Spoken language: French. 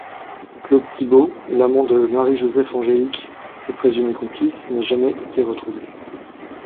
Claude Thibault, l'amant de Marie-Joseph Angélique et présumé complice, n'a jamais été retrouvé.